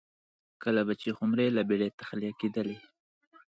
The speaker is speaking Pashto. کله به چې خُمرې له بېړۍ تخلیه کېدلې